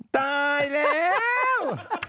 ตายแล้ว